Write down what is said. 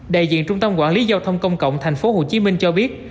đại diện trung tâm quản lý giao thông công cộng tp hcm cho biết